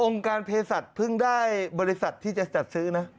การเพศสัตว์เพิ่งได้บริษัทที่จะจัดซื้อนะ